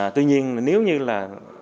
tuy nhiên nếu như là